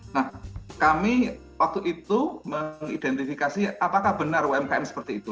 nah kami waktu itu mengidentifikasi apakah benar umkm seperti itu